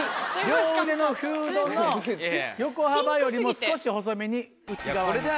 両腕のフードの横幅よりも少し細めに内側に。